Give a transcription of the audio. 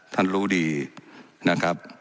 ท่านรู้ดีนะครับ